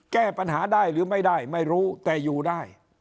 แก้ปัญหาได้หรือไม่ได้ไม่รู้แต่อยู่ได้